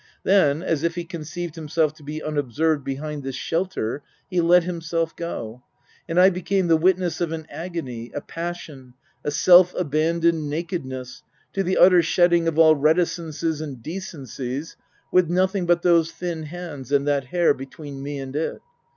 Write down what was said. Then, as if he conceived himself to be unobserved behind this shelter, he let himself go ; and I became the witness of an agony, a passion, a self abandoned naked ness, to the utter shedding of all reticences and decencies, with nothing but those thin hands and that hair between me and it.